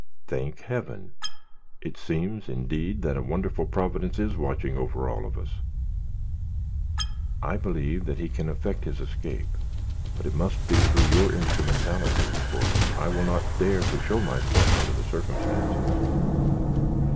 "Thank heaven! it seems indeed that a wonderful Providence is watching over all of us." "I believe he can effect his escape, but it must be through your instrumentality, for I will not dare to show myself under the circumstances."